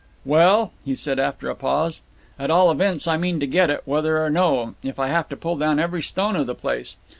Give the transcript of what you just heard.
"Well," he said after a pause, "at all events I mean to get it, whether or no, if I have to pull down every stone of the place.